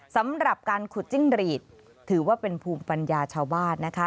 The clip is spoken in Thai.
สำหรับการขุดจิ้งหรีดถือว่าเป็นภูมิปัญญาชาวบ้านนะคะ